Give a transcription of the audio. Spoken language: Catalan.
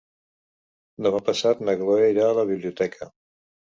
Demà passat na Chloé irà a la biblioteca.